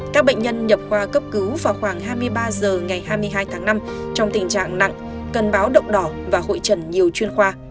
các bệnh nhân nhập khoa cấp cứu vào khoảng hai mươi ba h ngày hai mươi hai tháng năm trong tình trạng nặng cần báo động đỏ và hội trần nhiều chuyên khoa